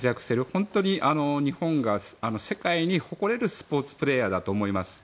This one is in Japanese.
本当に日本が世界に誇れるスポーツプレーヤーだと思います。